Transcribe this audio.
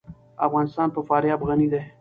افغانستان په فاریاب غني دی.